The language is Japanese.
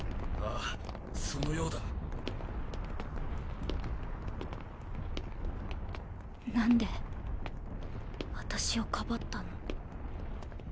あぁそのようだ。何で私を庇ったの？